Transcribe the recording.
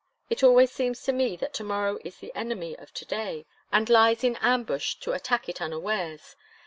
It always seems to me that to morrow is the enemy of to day, and lies in ambush to attack it unawares.